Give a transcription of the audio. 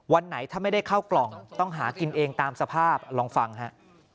วันไหนถ้าไม่ได้เข้ากล่องต้องหากินเองตามสภาพลองฟังฮะ